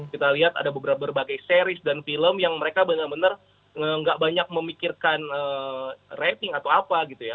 kita lihat ada berbagai series dan film yang mereka benar benar nggak banyak memikirkan rating atau apa gitu ya